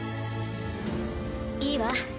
いいわ。